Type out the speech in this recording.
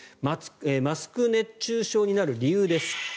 マスク熱中症になる理由です。